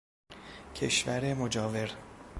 کشور مجاور